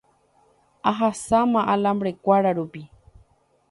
Ahasa alambre-kuárupi